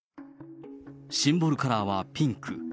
シンボルカラーはピンク。